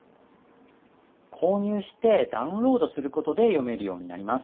購入してダウンロードすることで読めるようになります。